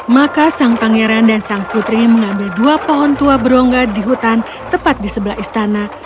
maka sang pangeran dan sang putri mengambil dua pohon tua berongga di hutan tepat di sebelah istana